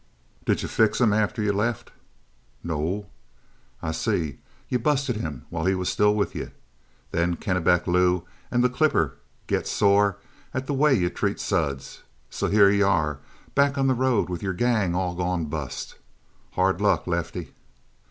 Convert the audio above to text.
"Did you fix him after he left you?" "No." "I see. You busted him while he was still with you. Then Kennebec Lou and the Clipper get sore at the way you treat Suds. So here you are back on the road with your gang all gone bust. Hard luck, Lefty."